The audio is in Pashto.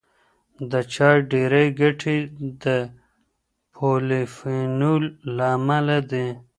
د چای ډېری ګټې د پولیفینول له امله دي.